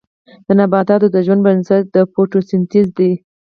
د نباتاتو د ژوند بنسټ د فوتوسنتیز دی